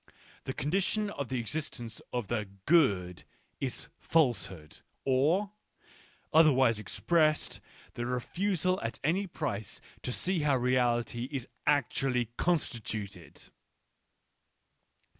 The con dition of the existence of the good is falsehood : or, otherwise expressed, the refusal at any price to see how reality is actually constituted.